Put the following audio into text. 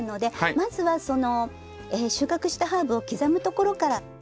まずはその収穫したハーブを刻むところから。